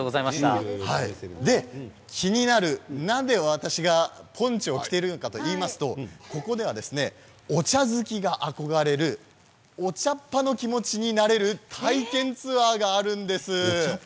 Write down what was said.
そこで気になる、なぜ私がポンチョを着ているのかといいますとここはお茶作りが憧れるお茶っ葉の気持ちになれる体験ツアーがあるんです。